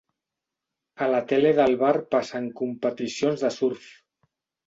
A la tele del bar passen competicions de surf.